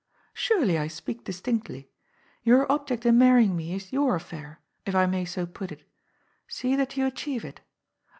" Surely I speak distinctly. Your object in marrying me is your affair, if I may so put it. See that you achieve it.